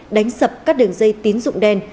đánh sập các đường dây tín dụng đen